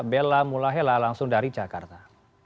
bella mulahela langsung dari jakarta